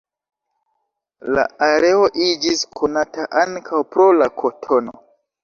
La areo iĝis konata ankaŭ pro la kotono.